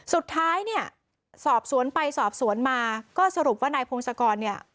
สุดท้ายเนี่ยสอบสวนไปสอบสวนมาก็สรุปว่านายพงศกรเนี่ย